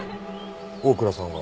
大倉さんは？